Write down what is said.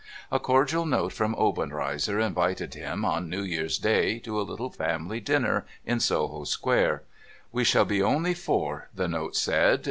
A cordial note from Obenreizer invited him, on New Year's Day, to a Httle family dinner in Soho square. ' We shall be only four,' the note said.